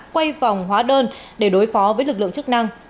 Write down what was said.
quay vòng hóa đơn để đối phó với lực lượng chức năng